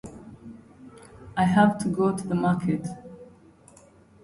He later served as chairman of the state Cotton Reduction Committee.